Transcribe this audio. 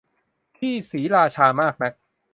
ที่ศรีราชามากนัก